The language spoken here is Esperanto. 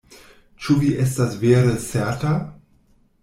Ĉu vi estas vere certa?